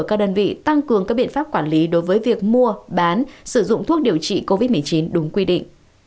các đơn vị tăng cường các biện pháp quản lý đối với việc mua bán sử dụng thuốc điều trị covid một mươi chín đúng quy định